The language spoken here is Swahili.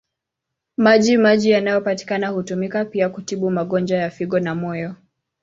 Maji maji yanayopatikana hutumika pia kutibu magonjwa ya figo na moyo.